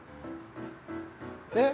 えっ？